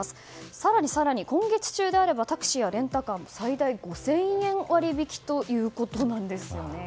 更に更に今月中であればタクシーやレンタカーも最大５０００円割引ということなんですね。